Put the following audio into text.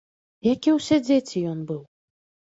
Як і ўсе дзеці ён быў.